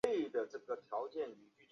日高本线。